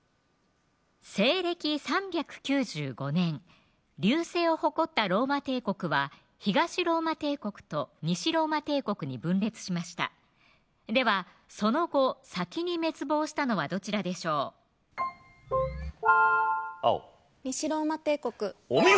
西暦３９５年隆盛を誇ったローマ帝国は東ローマ帝国と西ローマ帝国に分裂しましたではその後先に滅亡したのはどちらでしょう青西ローマ帝国お見事！